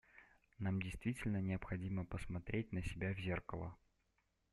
Нам действительно необходимо посмотреть на себя в зеркало.